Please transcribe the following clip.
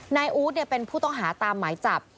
นายอู๊ดเป็นผู้ต้องหาตามหมายจับ